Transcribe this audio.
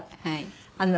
はい。